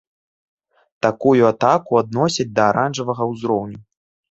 Такую атаку адносяць да аранжавага ўзроўню.